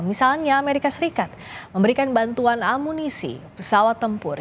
misalnya amerika serikat memberikan bantuan amunisi pesawat tempur